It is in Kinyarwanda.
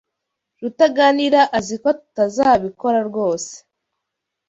Rutaganira azi ko tutazabikora rwose.